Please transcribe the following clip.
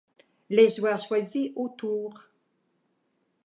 Les joueurs choisis au tour.